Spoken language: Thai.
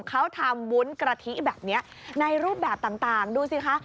เขาทำวุ้นกะทิแบบนี้ในรูปแบบต่างดูสิคะ